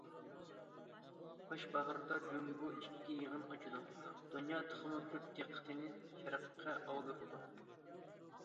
باش باھاردا جۇڭگو ئىككى يىغىن ئاچىدۇ، دۇنيا تېخىمۇ كۆپ دىققىتىنى شەرققە ئاغدۇرىدۇ.